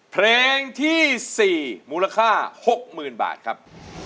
เพลงที่๔มูลค่า๖๐๐๐บาทครับ